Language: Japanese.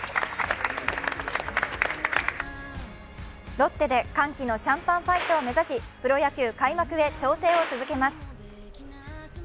ロッテで歓喜のシャンパンファイトを目指しプロ野球開幕へ調整を続けます。